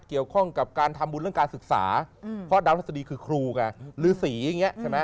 เกี่ยวข้องกับการทำบุญเรื่องการศึกษาเพราะดำทัศนีคือครูหรือศรี